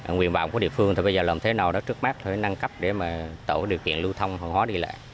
nguyện bảo của địa phương thì bây giờ làm thế nào đó trước mắt phải nâng cấp để mà tạo điều kiện lưu thông hoàn hóa đi lệ